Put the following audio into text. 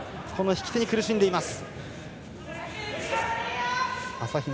引き手に苦しんでいます。